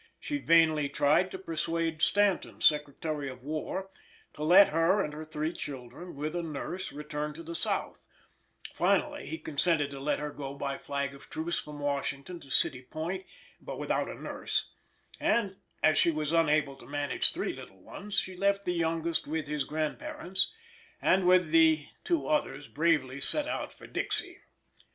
She vainly tried to persuade Stanton, Secretary of War, to let her and her three children, with a nurse, return to the South; finally he consented to let her go by flag of truce from Washington to City Point, but without a nurse, and as she was unable to manage three little ones, she left the youngest with his grandparents, and with two others bravely set out for Dixie.